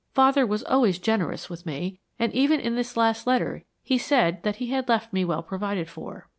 Father was always generous with me, and even in his last letter he said that he had left me well provided for."